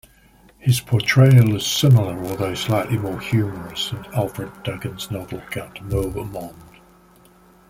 His portrayal is similar although slightly more humorous in Alfred Duggan's novel "Count Bohemond".